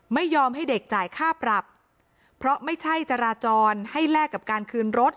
ไม่ยอมให้เด็กจ่ายค่าปรับเพราะไม่ใช่จราจรให้แลกกับการคืนรถ